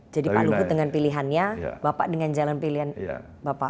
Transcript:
jadi pak luhut dengan pilihannya bapak dengan jalan pilihan bapak